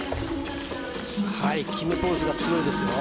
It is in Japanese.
はい決めポーズが強いですよ